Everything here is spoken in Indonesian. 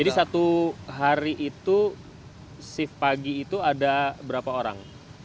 jadi satu hari itu shift pagi itu ada berapa orang